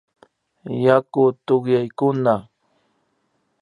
Yaku tukyaykuna